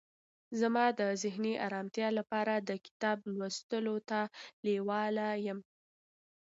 زه د ذهني آرامتیا لپاره د کتاب لوستلو ته لیواله یم.